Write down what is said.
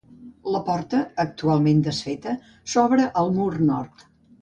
La porta -actualment desfeta- s'obre al mur nord.